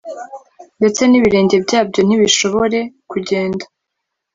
ndetse n'ibirenge byabyo ntibishobore kugenda